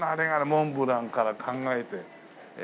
モンブランから考えてええ。